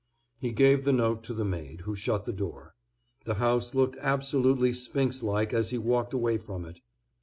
He gave the note to the maid, who shut the door. The house looked absolutely sphinx like as he walked away from it.